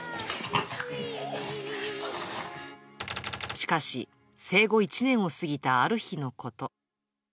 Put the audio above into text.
しかし、生後１年を過ぎたある日のこと。